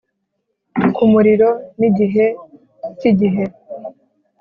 kumuriro nigihe cyigihe